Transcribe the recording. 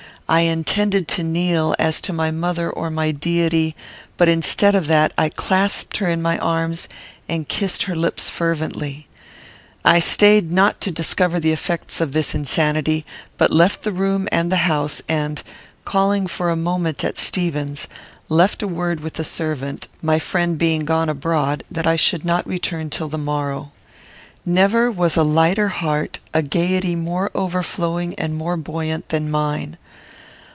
I intended to kneel, as to my mother or my deity; but, instead of that, I clasped her in my arms, and kissed her lips fervently. I stayed not to discover the effects of this insanity, but left the room and the house, and, calling for a moment at Stevens's, left word with the servant, my friend being gone abroad, that I should not return till the morrow. Never was a lighter heart, a gayety more overflowing and more buoyant, than mine.